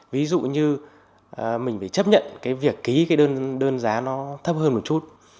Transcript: ví dụ như mình phải chấp nhận việc ký đơn giá thấp hơn một chút